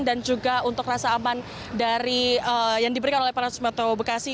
dan juga untuk rasa aman yang diberikan oleh para sumatera bekasi